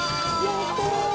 やったー！